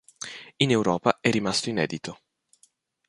In Europa è rimasto inedito.